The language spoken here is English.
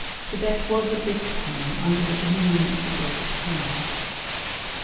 Thibet was at this time under the dominion of the great khan.